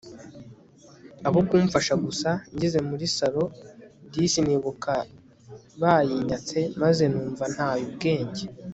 abo kumfasha gusa ngeze muri salon disi nibuka bayinyatse maze numva ntayubwenge